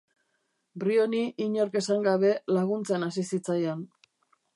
Briony, inork esan gabe, laguntzen hasi zitzaion.